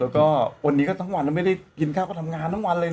แล้วก็วันนี้ก็ทั้งวันไม่ได้กินข้าวก็ทำงานทั้งวันเลยนะ